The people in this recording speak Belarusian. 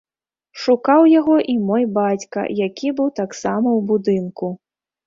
Шукаў яго і мой бацька, які быў таксама ў будынку.